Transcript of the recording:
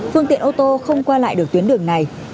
phương tiện ô tô không qua lại được tuyến đường này